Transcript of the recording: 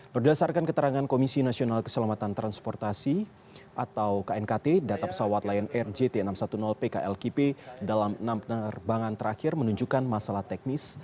berdasarkan keterangan komisi nasional keselamatan transportasi atau knkt data pesawat lion air jt enam ratus sepuluh pklkp dalam enam penerbangan terakhir menunjukkan masalah teknis